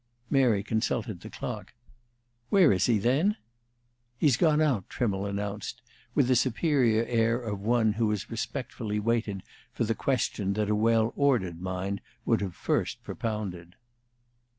Mary consulted the clock. "Where is he, then?" "He's gone out," Trimmle announced, with the superior air of one who has respectfully waited for the question that a well ordered mind would have first propounded.